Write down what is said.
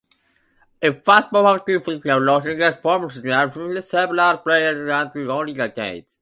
In pharmaceuticals, rosin forms an ingredient in several plasters and ointments.